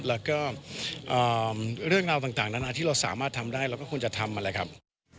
แล้วก็เรื่องราวต่างนั้นที่เราสามารถทำได้เราก็ควรจะทำอะไรครับ